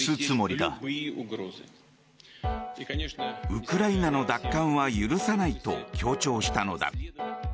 ウクライナの奪還は許さないと強調したのだ。